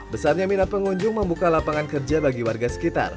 besarnya minat pengunjung membuka lapangan kerja bagi warga sekitar